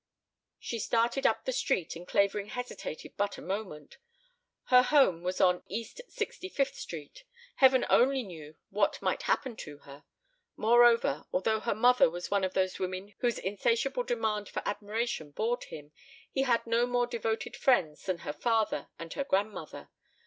She started up the street and Clavering hesitated but a moment. Her home was on East Sixty fifth Street. Heaven only knew what might happen to her. Moreover, although her mother was one of those women whose insatiable demand for admiration bored him, he had no more devoted friends than her father and her grandmother.